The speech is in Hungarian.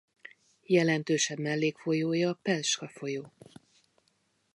Jelentősebb mellékfolyója a Pelska-folyó.